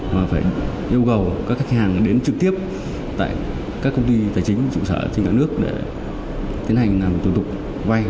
mà phải yêu cầu các khách hàng đến trực tiếp tại các công ty tài chính trụ sở trên cả nước để tiến hành làm tổn thục vây